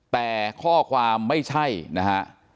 แต่ข้อความไม่ใช่นะฮะ